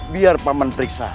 biar paman periksa